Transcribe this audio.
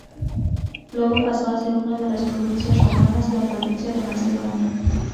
Luego paso a ser una de las provincias romanas, la provincia de Macedonia.